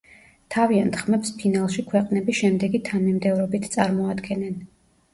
თავიანთ ხმებს ფინალში ქვეყნები შემდეგი თანმიმდევრობით წარმოადგენენ.